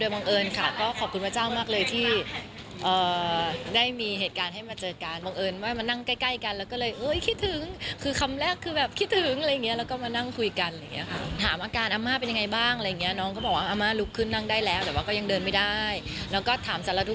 โมล์จะไม่ค่อยได้คุยเรื่องโน่กับน้องต่างหรอกค่ะ